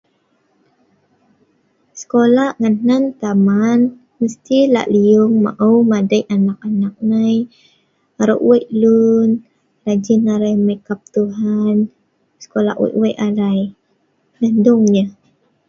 Sekolah ngan hnan Taman, mesti lah' liung maeu' madei' anak-anak nai aro' wei' lun rajin arai mai kap Tuhan, sekolah wei' wei' arai. Nah dung lah